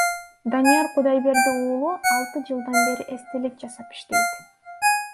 Данияр Кудайберди уулу алты жылдан бери эстелик жасап иштейт.